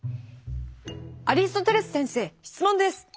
「アリストテレス先生質問です。